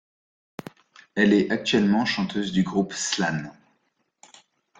Elle est actuellement chanteuse du groupe Slan.